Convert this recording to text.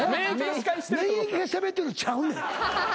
免疫がしゃべってるちゃうねん。